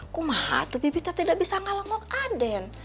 kok mah tuh bipita tidak bisa ngalengok aden